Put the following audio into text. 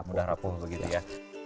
mudah rapuh begitu ya